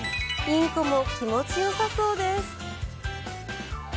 インコも気持ちよさそうです。